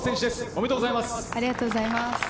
ありがとうございます。